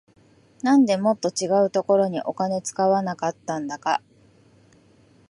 なんでもっと違うところにお金使わなかったんだか